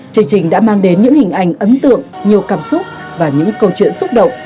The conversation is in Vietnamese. chương trình đã mang đến những hình ảnh ấn tượng nhiều cảm xúc và những câu chuyện xúc động